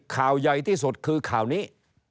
ข่าวใหญ่ที่สุดคือข่าวนี้